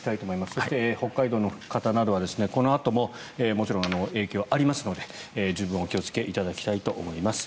そして北海道の方などはこのあとももちろん影響がありますので十分にお気をつけいただきたいと思います。